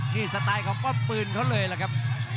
สไตล์ของป้อมปืนเขาเลยล่ะครับ